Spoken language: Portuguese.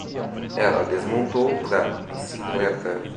Ela desmontou da bicicleta.